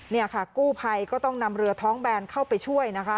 นี่ค่ะกู้ภัยก็ต้องนำเรือท้องแบนเข้าไปช่วยนะคะ